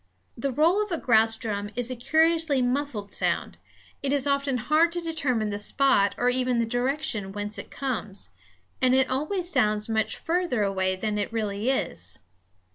The roll of a grouse drum is a curiously muffled sound; it is often hard to determine the spot or even the direction whence it comes; and it always sounds much farther away than it really is.